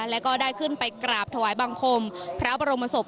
แล้วก็ได้ขึ้นไปกราบถวายบังคมพระบรมศพ